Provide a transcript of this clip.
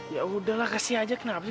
ya udah lah kasih aja kenapa sih